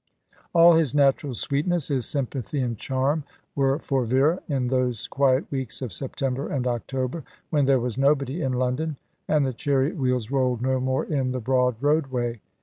All his natural sweetness, his sympathy and charm, were for Vera, in those quiet weeks of September and October, when there was nobody in London, and the chariot wheels rolled no more in the broad roadway.